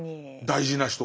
大事な人。